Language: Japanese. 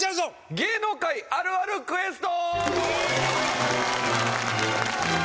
芸能界あるあるクエスト！